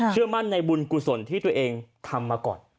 เชื่อมั่นในบุญกุศลที่ตัวเองทำมาก่อน